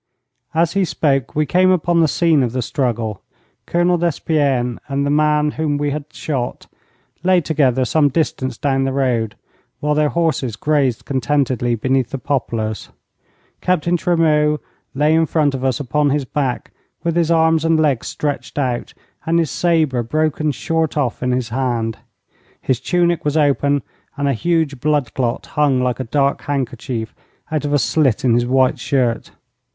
As he spoke we came upon the scene of the struggle. Colonel Despienne and the man whom we had shot lay together some distance down the road, while their horses grazed contentedly beneath the poplars. Captain Tremeau lay in front of us upon his back, with his arms and legs stretched out, and his sabre broken short off in his hand. His tunic was open, and a huge blood clot hung like a dark handkerchief out of a slit in his white shirt.